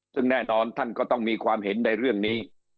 ซึ่งแน่นอนท่านก็ต้องมีความเห็นในเรื่องนี้